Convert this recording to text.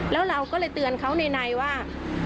แล้วเราก็เลยเตือนเขาในว่า